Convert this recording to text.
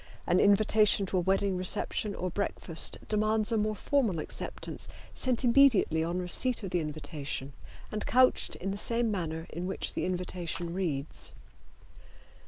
An invitation to a wedding reception or breakfast demands a more formal acceptance sent immediately on receipt of the invitation and couched in the same manner in which the invitation reads.